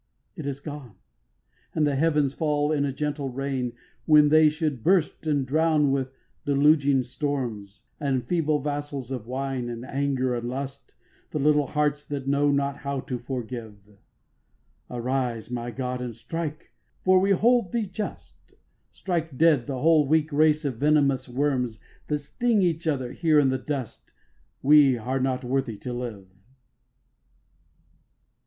It is gone; and the heavens fall in a gentle rain, When they should burst and drown with deluging storms The feeble vassals of wine and anger and lust, The little hearts that know not how to forgive: Arise, my God, and strike, for we hold Thee just, Strike dead the whole weak race of venomous worms, That sting each other here in the dust; We are not worthy to live.